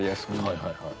はいはいはい。